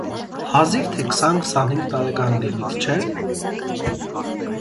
- Հազիվ թե քսան-քսանհինգ տարեկան լինիք, չէ՞: